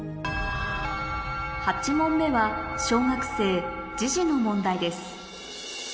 ８問目は小学生の問題です